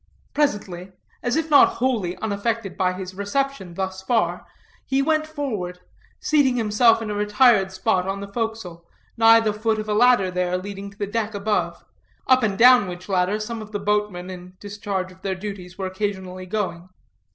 Presently, as if not wholly unaffected by his reception thus far, he went forward, seating himself in a retired spot on the forecastle, nigh the foot of a ladder there leading to a deck above, up and down which ladder some of the boatmen, in discharge of their duties, were occasionally going.